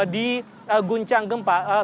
di guncang gempa